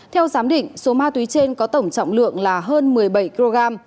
theo giám định số ma túy trên có tổng trọng lượng là hơn một mươi bảy kg